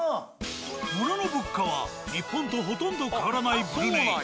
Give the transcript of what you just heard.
物の物価は日本とほとんど変わらないブルネイ。